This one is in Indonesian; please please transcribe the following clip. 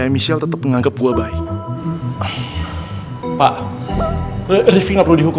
gini ada apa lagi pak